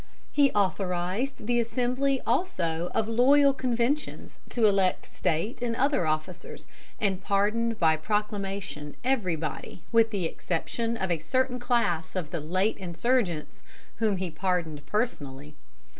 He authorized the assembly also of loyal conventions to elect State and other officers, and pardoned by proclamation everybody, with the exception of a certain class of the late insurgents whom he pardoned personally.